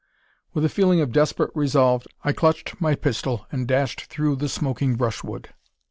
With a feeling of desperate resolve, I clutched my pistol and dashed through the smoking brushwood.